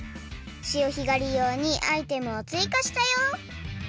潮干狩りようにアイテムをついかしたよ！